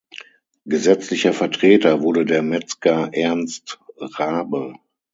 Gesetzlicher Vertreter wurde der Metzger Ernst Raabe.